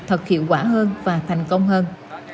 thật hiệu quả hơn và thành công hơn